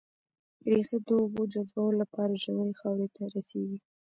ريښه د اوبو جذبولو لپاره ژورې خاورې ته رسېږي